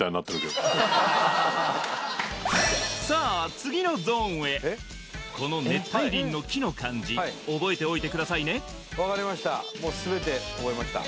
さあ次のゾーンへこの熱帯林の木の感じ覚えておいてくださいねわかりました